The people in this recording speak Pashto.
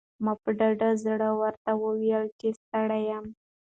ما په ډاډه زړه ورته وویل چې ستړی یم.